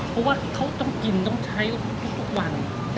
เพราะว่าเขาต้องกินต้องใช้ทุกวัน